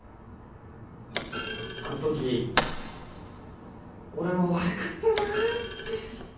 あの時俺も悪かったなって。